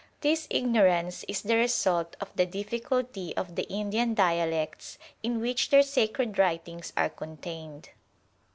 This ignorance is the result of the difficulty of the Indian dialects in which their sacred writings are contained.